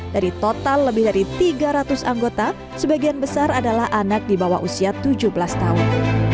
dari total lebih dari tiga ratus anggota sebagian besar adalah anak di bawah usia tujuh belas tahun